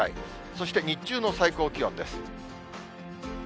そして日中の最高気温です。